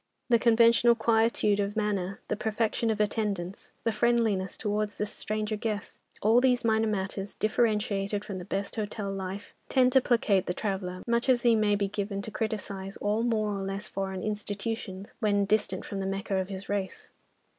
The conventional quietude of manner, the perfection of attendance, the friendliness towards the stranger guest, all these minor matters, differentiated from the best hotel life, tend to placate the traveller, much as he may be given to criticise all more or less foreign institutions, when distant from the "Mecca" of his race.